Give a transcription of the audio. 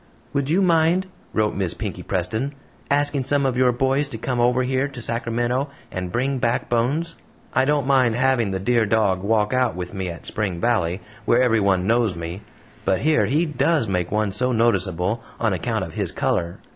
"Would you mind," wrote Miss Pinkey Preston, "asking some of your boys to come over here to Sacramento and bring back Bones? I don't mind having the dear dog walk out with me at Spring Valley, where everyone knows me; but here he DOES make one so noticeable, on account of HIS COLOR.